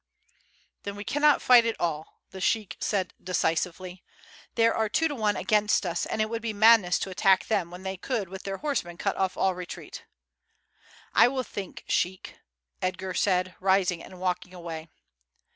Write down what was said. "Then we cannot fight at all," the sheik said decisively. "There are two to one against us, and it would be madness to attack them when they could with their horsemen cut off all retreat." "I will think, sheik," Edgar said, rising and walking away.